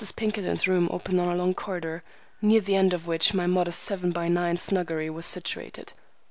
Pinkerton's room opened on a long corridor, near the end of which my modest seven by nine snuggery was situated.